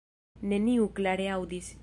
Neniu klare aŭdis.